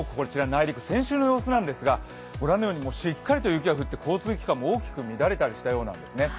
内陸の先週の様子なんですがご覧のようにしっかりと雪が降って交通機関も乱れたようなんです。